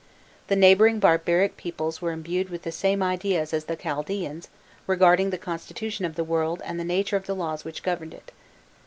The neighbouring barbaric peoples were imbued with the same ideas as the Chaldaens regarding the constitution of the world and the nature of the laws which governed it.